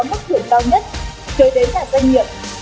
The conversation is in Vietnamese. mức thưởng cao nhất tới đến cả doanh nghiệp